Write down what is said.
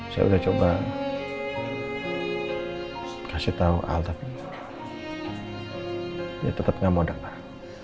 saya udah coba kasih tau al tapi dia tetep nggak mau datang